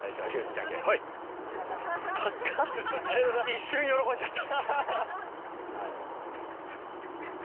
一瞬喜んじゃった。